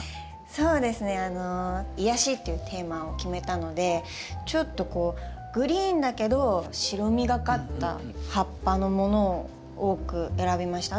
そうですね「癒やし」っていうテーマを決めたのでちょっとこうグリーンだけど白みがかった葉っぱのものを多く選びました。